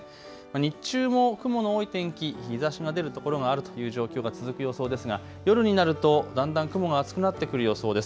日中も雲の多い天気、日ざしの出る所があるという状況が続く予想ですが夜になるとだんだん雲が厚くなってくる予想です。